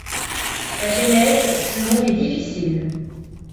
Sa genèse fut longue et difficile.